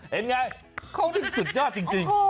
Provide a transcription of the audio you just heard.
เห็นไงเขานี่สุดยอดจริง